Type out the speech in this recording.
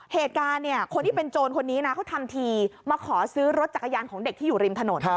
เหตุการณ์เนี่ยคนที่เป็นโจรคนนี้นะเขาทำทีมาขอซื้อรถจักรยานของเด็กที่อยู่ริมถนน